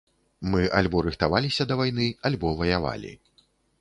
Мы альбо рыхтаваліся да вайны, альбо ваявалі.